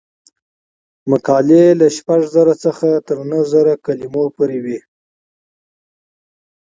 مقالې له شپږ زره څخه تر نهه زره کلمو پورې وي.